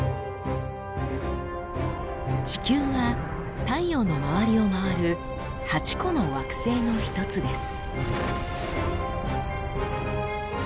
地球は太陽の周りを回る８個の惑星の１つです。